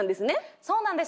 そうなんです。